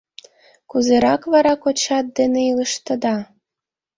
— Кузерак вара кочат дене илыштыда?